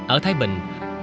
ở thái bình